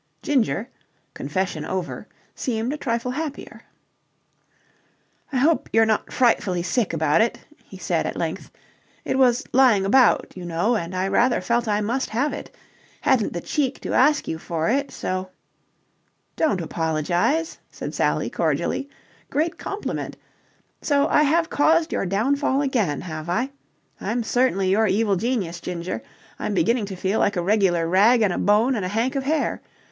Ginger, confession over, seemed a trifle happier. "I hope you're not frightfully sick about it?" he said at length. "It was lying about, you know, and I rather felt I must have it. Hadn't the cheek to ask you for it, so..." "Don't apologize," said Sally cordially. "Great compliment. So I have caused your downfall again, have I? I'm certainly your evil genius, Ginger. I'm beginning to feel like a regular rag and a bone and a hank of hair.